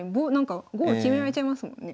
ゴール決められちゃいますもんね。